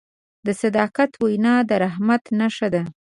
د صداقت وینا د رحمت نښه ده.